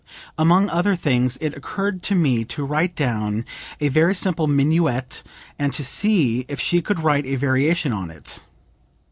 Among other things it occurred to me to write down a very simple minuet and to see if she could write a variation on it.